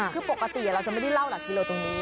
คือปกติเราจะไม่ได้เล่าหลักกิโลตรงนี้